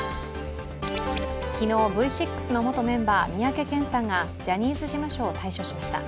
昨日Ｖ６の元メンバー、三宅健さんがジャニーズ事務所を退所しました。